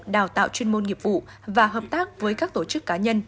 đào tạo chuyên môn nghiệp vụ và hợp tác với các tổ chức cá nhân